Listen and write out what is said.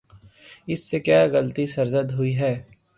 ان سے کیا غلطی سرزد ہوئی ہے؟